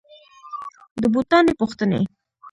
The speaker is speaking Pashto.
د بوټاني پوښتني